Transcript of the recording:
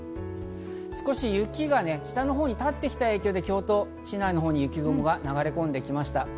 少し雪が北のほうに立ってきた影響で京都市内のほうに雪雲が流れ込んできました。